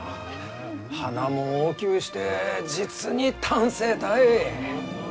花も大きゅうして実に端正たい！